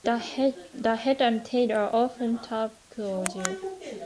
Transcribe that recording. The head and tail are often turquoise.